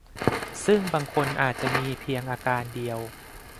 ซึ่งบางคนอาจจะมีเพียงอาการเดียว